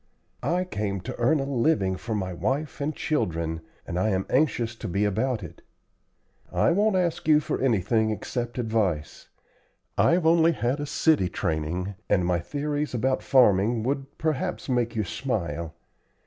I came to earn a living for my wife and children, and I am anxious to be about it. I won't ask you for anything except advice. I've only had a city training, and my theories about farming would perhaps make you smile.